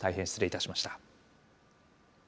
失礼いたしました。